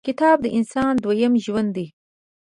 • کتاب، د انسان دویم ژوند دی.